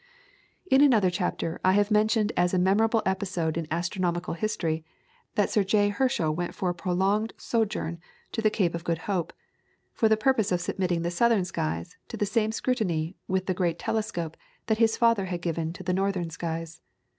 In another chapter I have mentioned as a memorable episode in astronomical history, that Sir J. Herschel went for a prolonged sojourn to the Cape of Good Hope, for the purpose of submitting the southern skies to the same scrutiny with the great telescope that his father had given to the northern skies.